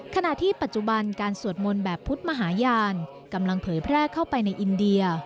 ขณะที่ปัจจุบันการสวดมนต์แบบพุทธมหาญาณกำลังเผยแพร่เข้าไปในอินเดีย